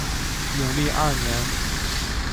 永历二年。